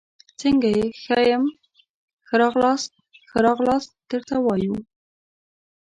څنګه يي ، ښه يم، ښه راغلاست ، ښه راغلاست درته وایو